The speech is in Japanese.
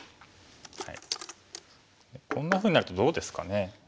こんなふうになるとどうですかね？